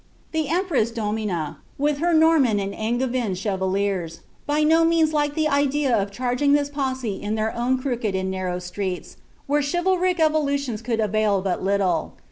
The empms doniina, wjik her Norman and Angerin chevaliere, by no means liked the ida of charging this posse in their own crooked and narrow itreeta, whew enifalric evolutions could Rvaii bui little.